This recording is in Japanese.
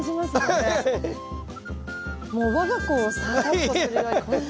もう我が子をだっこするように。